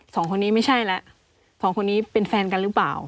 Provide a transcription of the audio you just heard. สองคนนี้ไม่ใช่แล้วสองคนนี้เป็นแฟนกันหรือเปล่า